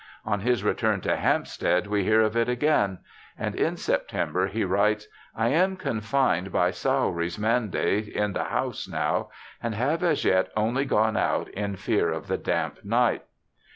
On his return to Hampstead we hear of it again ; and in September he writes ' I am confined by Sawrey's mandate in the house now, and have as yet only gone out in fear of the damp night'.